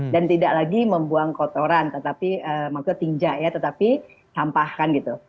dan tidak lagi membuang kotoran maksudnya tingja ya tetapi sampah kan gitu